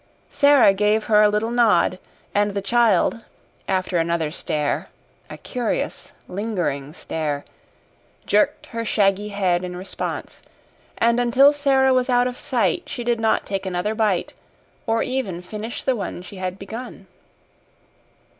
Sara gave her a little nod, and the child, after another stare a curious lingering stare jerked her shaggy head in response, and until Sara was out of sight she did not take another bite or even finish the one she had begun.